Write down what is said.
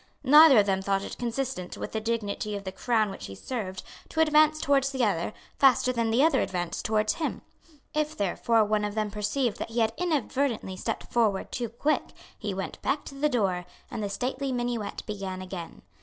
Neither of them thought it consistent with the dignity of the Crown which he served to advance towards the other faster than the other advanced towards him. If therefore one of them perceived that he had inadvertently stepped forward too quick, he went back to the door, and the stately minuet began again.